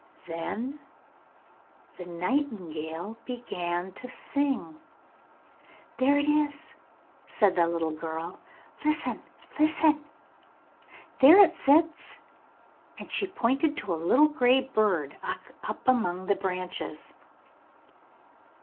Then the nightingale began to sing. 'There it is!' said the little girl. 'Listen, listen, there it sits!' and she pointed to a little grey bird up among the branches.